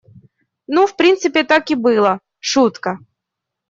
Ну, в принципе, так и было — шутка.